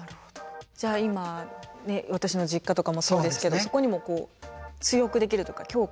じゃあ今私の実家とかもそうですけどそこにもこう強くできるとか強化。